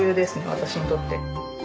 私にとって。